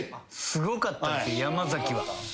すごかった山崎は。